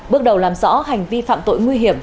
bước đầu làm rõ hành vi phạm tội nguy hiểm